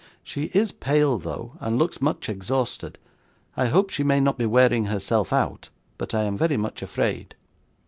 'She is pale though, and looks much exhausted. I hope she may not be wearing herself out, but I am very much afraid.